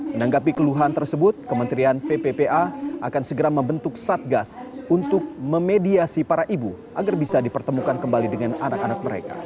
menanggapi keluhan tersebut kementerian pppa akan segera membentuk satgas untuk memediasi para ibu agar bisa dipertemukan kembali dengan anak anak mereka